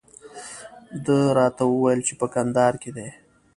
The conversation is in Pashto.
ده راته وویل چې په کندهار کې دی.